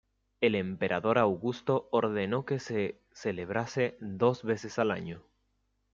El emperador Augusto ordenó que se celebrase dos veces al año.